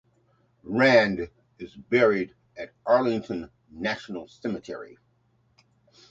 Rand is buried at Arlington National Cemetery.